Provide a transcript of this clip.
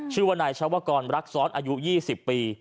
ชื่อว่านายชาวกรรักซ้อนอายุ๒๐ปี